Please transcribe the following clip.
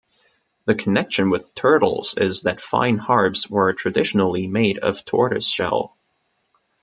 The connection with turtles is that fine harps were traditionally made of tortoiseshell.